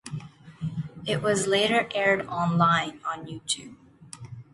It was later aired online on YouTube.